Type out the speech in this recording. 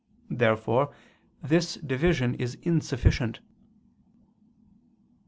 Therefore this division is insufficient.